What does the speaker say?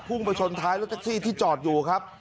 ไปชนท้ายรถแท็กซี่ที่จอดอยู่ครับ